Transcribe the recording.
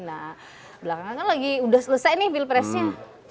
nah belakangan kan lagi udah selesai nih pilpresnya